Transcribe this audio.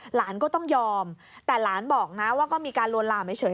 หลานก็ต้องยอมแต่หลานบอกนะว่าก็มีการลวนลามเฉย